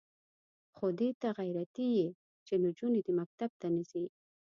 خو دې ته غیرتي یې چې نجونې دې مکتب ته نه ځي.